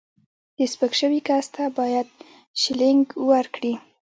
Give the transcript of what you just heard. د سپک شوي کس ته باید شیلینګ ورکړي.